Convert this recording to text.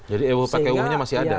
jadi ewe pakewunya masih ada